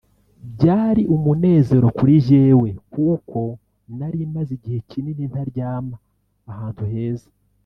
Byari umunezero kuri jyewe kuko nari maze igihe kinini ntaryama ahantu heza